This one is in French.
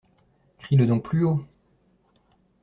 Crie-le donc plus haut.